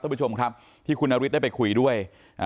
ท่านผู้ชมครับที่คุณนฤทธิได้ไปคุยด้วย